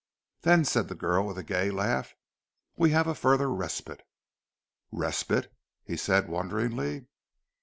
"Then," said the girl with a gay laugh, "we have a further respite." "Respite?" he said wonderingly.